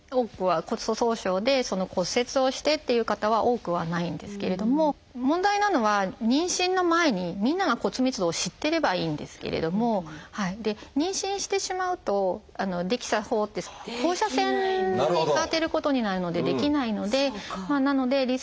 骨粗しょう症で骨折をしてっていう方は多くはないんですけれども問題なのは妊娠の前にみんなが骨密度を知ってればいいんですけれども妊娠してしまうとＤＸＡ法って放射線を当てることになるのでできないのでなのでリスクが当てはまったりとか